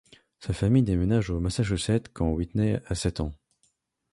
Sa famille déménage au Massachusetts quand Whitney a sept ans.